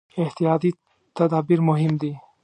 احتیاطي تدابیر مهم دي.